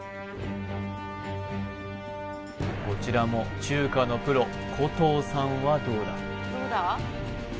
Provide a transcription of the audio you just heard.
こちらも中華のプロ古藤さんはどうだ？